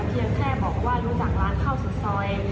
เพียงแค่บอกว่ารู้จักร้านข้าวสุดซอย